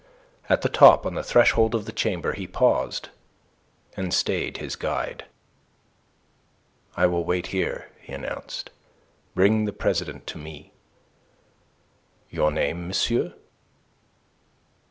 At the top, on the threshold of the chamber, he paused, and stayed his guide. "I will wait here," he announced. "Bring the president to me." "Your name, monsieur?"